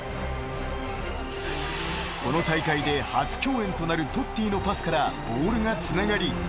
［この大会で初共演となるトッティのパスからボールがつながり］